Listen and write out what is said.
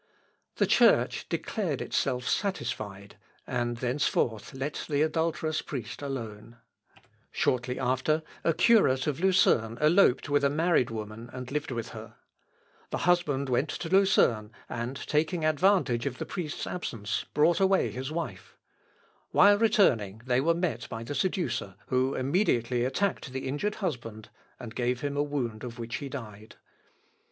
The Church declared itself satisfied, and thenceforth let the adulterous priest alone. Simml. Samml. vi. Wirz, K. Gesch. i, 275. [Sidenote: THE MARRIAGE OF ZUINGLIUS.] Shortly after a curate of Lucerne eloped with a married woman, and lived with her. The husband went to Lucerne and taking advantage of the priest's absence brought away his wife. While returning they were met by the seducer, who immediately attacked the injured husband, and gave him a wound of which he died.